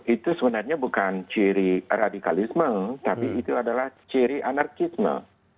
itu sebenarnya bukan ciri radikalisme tapi itu adalah ciri anarkisme